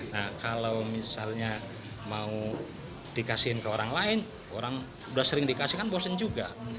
nah kalau misalnya mau dikasihin ke orang lain orang udah sering dikasih kan bosen juga